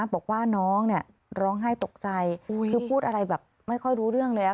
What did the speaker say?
บอกว่าน้องร้องไห้ตกใจคือพูดอะไรแบบไม่ค่อยรู้เรื่องเลย